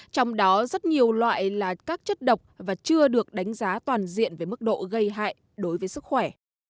trong đó rất nhiều loại là các chất độc và chưa được đánh giá toàn diện về mức độ gây hại đối với sức khỏe